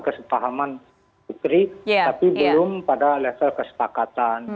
kesepahaman putri tapi belum pada level kesepakatan